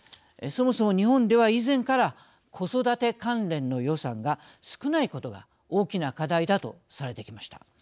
そもそも日本では以前から子育て関連の予算が少ないことが大きな課題だとされてきました。